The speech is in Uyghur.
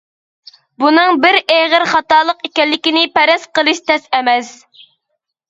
بۇنىڭ بىر ئېغىر خاتالىق ئىكەنلىكىنى پەرەز قىلىش تەس ئەمەس.